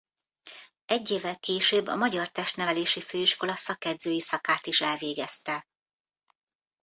Egy évvel később a Magyar Testnevelési Főiskola szakedzői szakát is elvégezte.